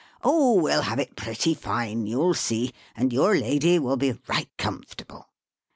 Oh, we'll have it pretty fine, you'll see, and your lady will be right comfortable.